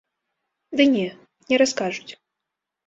Ды не, не раскажуць.